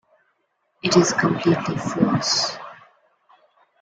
It is completely false.